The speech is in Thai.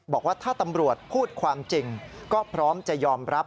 บอกว่าถ้าตำรวจพูดความจริงก็พร้อมจะยอมรับ